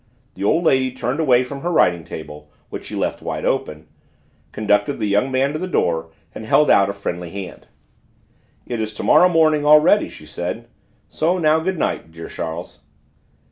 The old lady turned away from her writing table, which she left wide open, conducted the young man to the door, and held out a friendly hand. "It is to morrow morning already!" she said. "So now good night, dear Charles!"